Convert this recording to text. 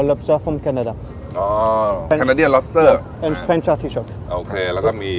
โอเคแล้วก็มี